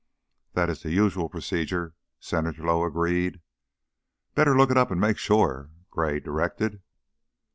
"That is the usual procedure," Senator Lowe agreed. "Better look it up and make sure," Gray directed.